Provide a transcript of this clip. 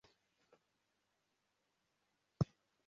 Abagore babiri bahagaze imbere yishuri ryabana bavuga igitabo